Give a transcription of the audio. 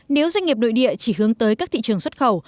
nếu doanh nghiệp nội địa chỉ hướng tới các thị trường xuất khẩu